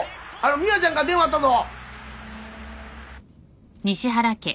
美羽ちゃんから電話あったぞ。